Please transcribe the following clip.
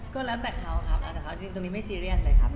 ก็แล้วแต่เขาครับแล้วแต่เขาจริงตรงนี้ไม่ซีเรียสเลยครับ